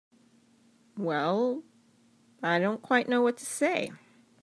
Well—I don't quite know what to say.